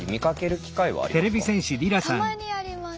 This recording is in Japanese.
たまにあります。